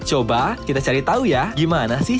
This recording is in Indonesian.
coba kita cari tahu ya gimana sih